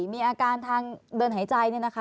มีอาการทางเดินหายใจ